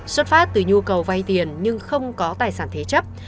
xuất phát từ nhu cầu vay tiền nhưng không có tài sản thế chấp